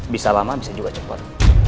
bisa lama bisa juga cepat